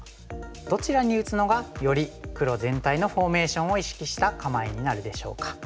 どちらに打つのがより黒全体のフォーメーションを意識した構えになるでしょうか。